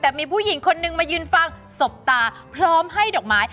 แต่มีผู้หญิงคนนึงมายืนฟังสบตาพร้อมให้ดอกไม้